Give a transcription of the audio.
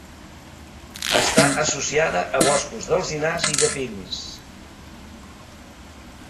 Està associada a boscos d'alzinars i de pins.